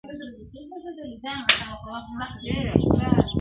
او غمجن غږ خپروي تل